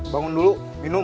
bangun dulu minum